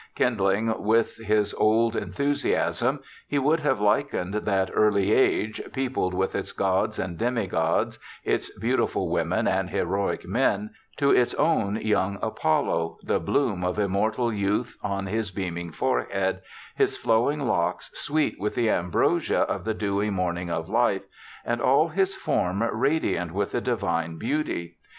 Kindling with his old enthusiasm, he would have likened that early age, peopled with its gods and demi gods, its beautiful women and heroic men, to its own young Apollo — the bloom of immortal youth on his beaming forehead, his flowing locks sweet with the ambrosia of the dewy morning of life, and all his form radiant with a divine beauty.